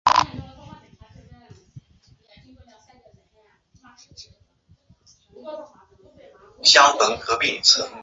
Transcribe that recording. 此曲同时也促进了双手交替弹奏十六分音符的技术。